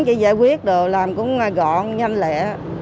chị giải quyết đồ làm cũng gọn nhanh lẽ